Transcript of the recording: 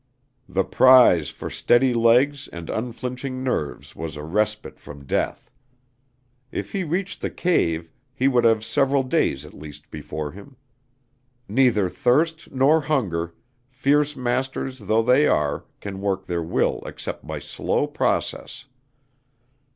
The prize for steady legs and unflinching nerves was a respite from Death. If he reached the cave, he would have several days at least before him. Neither thirst nor hunger, fierce masters though they are, can work their will except by slow process.